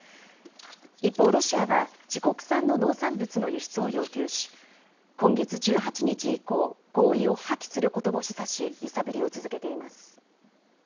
一方、ロシアは自国産の農産物の輸出を要求し今月１８日以降、合意を破棄することも示唆し揺さぶりを続けています。